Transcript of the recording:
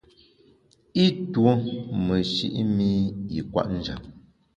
I tuo meshi’ mi i kwet njap.